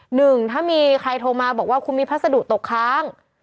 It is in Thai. หนึ่งถ้ามีใครโทรมาบอกว่าคุณมีพัสดุตกค้าง